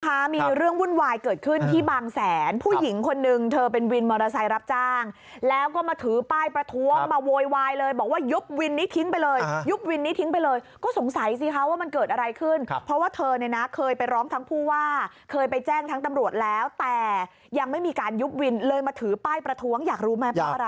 ค่ะมีเรื่องวุ่นวายเกิดขึ้นที่บางแสนผู้หญิงคนนึงเธอเป็นวินมอเตอร์ไซค์รับจ้างแล้วก็มาถือป้ายประท้วงมาโวยวายเลยบอกว่ายุบวินนี้ทิ้งไปเลยยุบวินนี้ทิ้งไปเลยก็สงสัยสิคะว่ามันเกิดอะไรขึ้นครับเพราะว่าเธอเนี่ยนะเคยไปร้องทั้งผู้ว่าเคยไปแจ้งทั้งตำรวจแล้วแต่ยังไม่มีการยุบวินเลยมาถือป้ายประท้วงอยากรู้ไหมเพราะอะไร